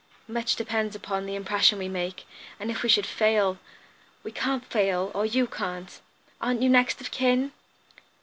Much depends upon the impression we make. And if we should fail " "We can't fail; or you can't. Aren't you next of kin?"